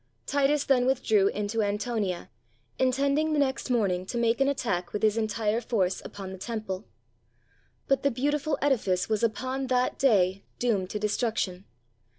Titus then withdrew into Antonia, intending the next morning to make an attack with his entire force upon the Temple. But the beautiful edifice was upon that day doomed to destruction.